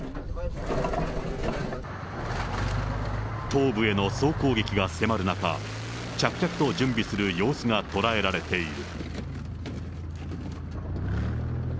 東部への総攻撃が迫る中、着々と準備する様子が捉えられている。